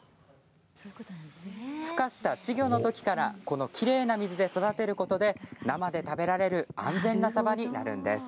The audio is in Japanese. ふ化した稚魚のときからこのきれいな水で育てることで生で食べられる安全なサバになるんです。